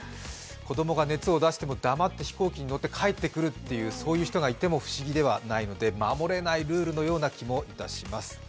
子供が熱を出しても黙って飛行機に乗って帰ってくるという人がいても不思議ではないので守れないルールのような気もいたします。